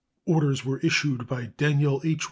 Orders were issued by Daniel H.